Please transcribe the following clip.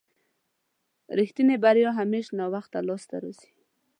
رښتينې بريا همېش ناوخته لاسته راځي.